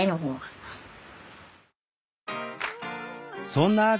そんなあ